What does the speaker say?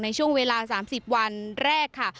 ในช่วงเวลา๓๐วันแรกค่ะ